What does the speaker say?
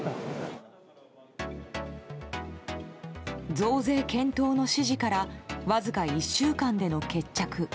増税検討の指示からわずか１週間での決着。